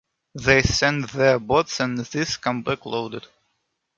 They send their boats and these come back loaded.